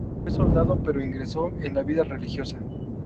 Fue soldado pero ingresó en la vida religiosa.